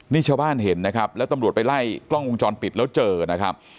นี่ชาวบ้านเห็นนะครับแล้วตำรวจไปไล่กล้องวงจรปิดแล้วเจอนะครับ